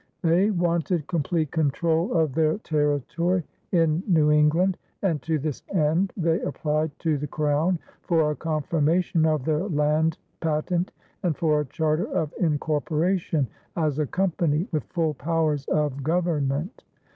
They wanted complete control of their territory in New England, and to this end they applied to the Crown for a confirmation of their land patent and for a charter of incorporation as a company with full powers of government.